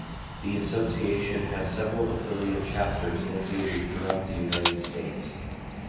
The association has several affiliate chapters located throughout the United States.